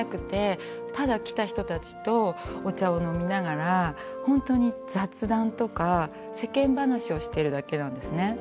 ただ来た人たちとお茶を飲みながら本当に雑談とか世間話をしてるだけなんですね。